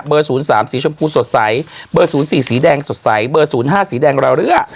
เบอร์๐๓สีส้มสดใส๐๔สีสีแดงสดใส๐๕สีแดงเหรือ